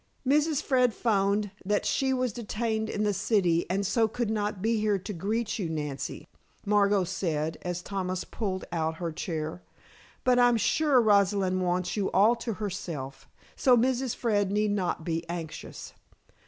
"Mrs. Fred phoned that she was detained in the city and so could not be here to greet you, Nancy," Margot said, as Thomas pulled out her chair, "but I'm sure Rosalind wants you all to herself, so Mrs. Fred need not be anxious."